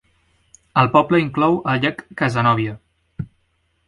El poble inclou el llac Cazenovia.